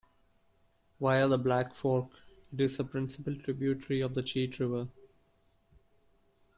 Via the Black Fork, it is a principal tributary of the Cheat River.